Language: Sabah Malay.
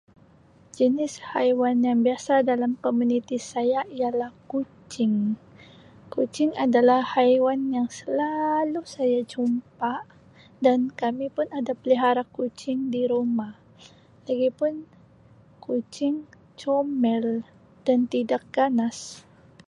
Jenis haiwan yang biasa dalam komuniti saya ialah kucing. Kucing adalah haiwan yang selalu saya jumpa dan kami pun ada pelihara kucing di rumah, lagipun kucing comel dan tidak ganas.